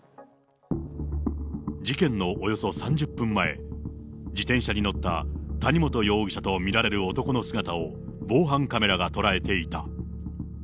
事件のおよそ３０分前、自転車に乗った谷本容疑者と見られる男の姿を、防犯カメラが捉えていた。